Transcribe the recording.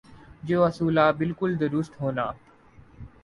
جو اصولا بالکل درست ہونا ۔